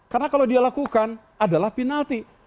karena kalau dilakukan adalah penalti